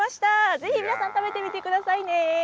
ぜひ皆さん、食べてみてくださいね。